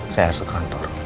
saya harus ke kantor